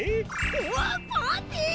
おおっパーティー！